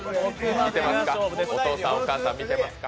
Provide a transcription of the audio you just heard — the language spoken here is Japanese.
お父さん、お母さん、見てますか？